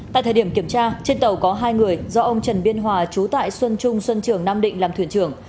tại thời điểm kiểm tra trên tàu có hai người do ông trần biên hòa trú tại xuân trung xuân trường nam định làm thuyền trưởng